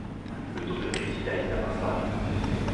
Le taux de réussite à l'examen varie.